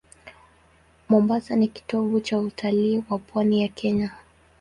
Mombasa ni kitovu cha utalii wa pwani ya Kenya.